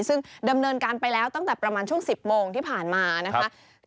ซึ่งดำเนินการไปแล้วตั้งแต่ประมาณช่วง๑๐โมงที่ผ่านมานะคะ